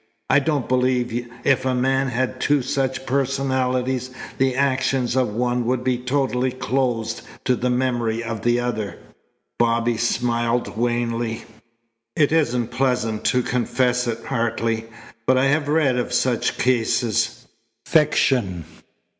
I don't believe if a man had two such personalities the actions of one would be totally closed to the memory of the other." Bobby smiled wanly. "It isn't pleasant to confess it, Hartley, but I have read of such cases." "Fiction!"